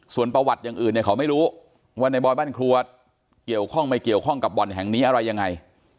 ส่วนประวัติอย่างอื่นเนี่ยเขาไม่รู้ว่าในบอยบ้านครัวเกี่ยวข้องไม่เกี่ยวข้องกับบ่อนแห่งนี้อะไรยังไง